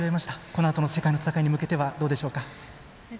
このあとの世界の戦いに向けてはどうでしょうか？